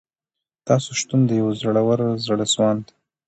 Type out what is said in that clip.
تاسو شتون د یوه زړور، زړه سواند